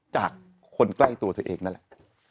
จากคนใกล้ตัวเธอเองนั่นแหละ